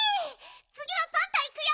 つぎはパンタいくよ！